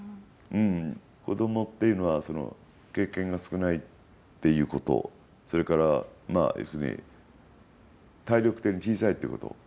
子どもっていうのは経験が少ないっていうことそれから、要するに体力的に小さいっていうこと。